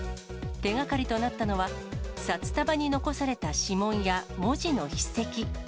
手がかりとなったのは、札束に残された指紋や文字の筆跡。